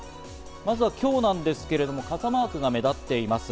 まずは今日なんですけれども、傘マークが目立っています。